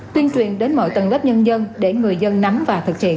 tuyên truyền đến mọi tầng lớp nhân dân để người dân nắm và thực hiện